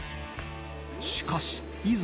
しかしいざ